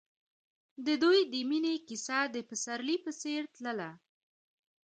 د دوی د مینې کیسه د پسرلی په څېر تلله.